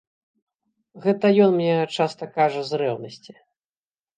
Гэта ён мне часта кажа з рэўнасці.